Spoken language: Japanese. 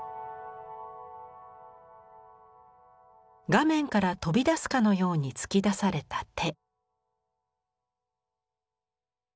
画面から飛び出すかのように突き出された手。